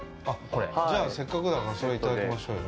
じゃあ、せっかくだからそれいただきましょうよ。